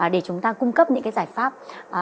để chúng ta cung cấp những cái giải pháp